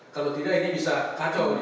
kalau tidak ini bisa kacau